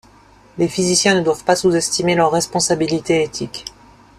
Les physiciens ne doivent pas sous-estimer leurs responsabilités éthiques.